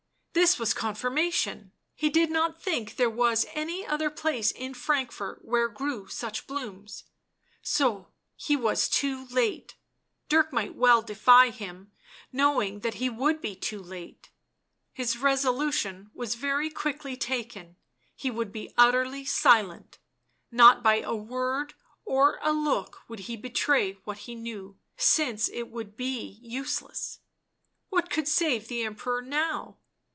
This was confirmation ; he did not think there was any other place in Frankfort where grew such blooms; so h© was too late, Dirk might well defy him, knowing that he would be too late. His resolution was very quickly taken : he would be utterly silent, not by a word or a look would he betray what he knew, since it would be useless. What could save the Emperor now?